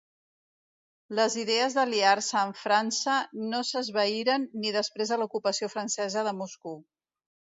Les idees d'aliar-se amb França no s'esvaïren ni després de l'ocupació francesa de Moscou.